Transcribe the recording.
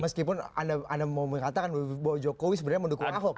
meskipun anda mau mengatakan bahwa jokowi sebenarnya mendukung ahok